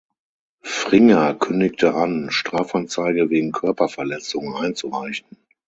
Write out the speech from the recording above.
Fringer kündigte an, Strafanzeige wegen Körperverletzung einzureichen.